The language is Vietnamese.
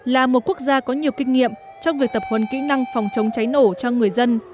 là một quốc gia có nhiều kinh nghiệm trong việc tập huấn kỹ năng phòng chống cháy nổ cho người dân